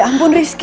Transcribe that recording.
oh ya ampun rizky